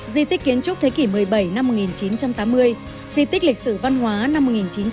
di tích kiến trúc thế kỷ một mươi bảy năm một nghìn chín trăm tám mươi di tích lịch sử văn hóa năm một nghìn chín trăm bảy mươi